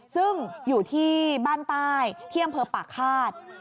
ซึ่งอยู่ที่บ้านใต้เที่ยงเผอร์ป่าฆาต